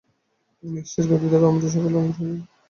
নিঃশ্বাস-গতি দ্বারা আমরা সকল অঙ্গের উপর প্রভুত্ব লাভ করি।